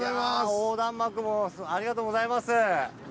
横断幕もありがとうございます。